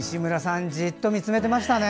画面をじっと見つめてましたね。